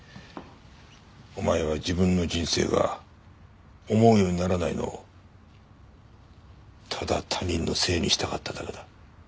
お前は自分の人生が思うようにならないのをただ他人のせいにしたかっただけだ。